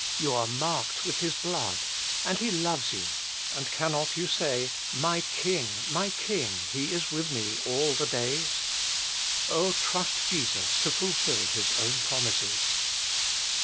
You are marked with His blood, and he loves you; and cannot you say, '' My King, my King, He is with me all the days ?" Oh, trust Jesus to fulfill His own promises.